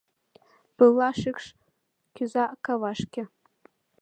Пылла шикш кӱза кавашке.